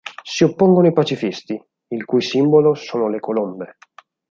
Si oppongono i pacifisti, il cui simbolo sono le colombe.